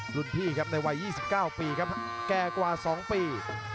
รุ่นพี่ครับในวัย๒๙ปีครับแก่กว่า๒ปี